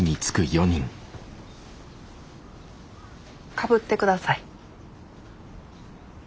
かぶって下さい。